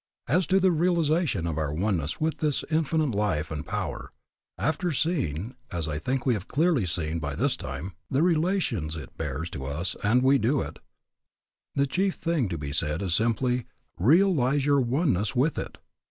As to the realization of our oneness with this Infinite Life and Power, after seeing, as I think we have clearly seen by this time, the relations it bears to us and we to it, the chief thing to be said is simply, Realize your oneness with it.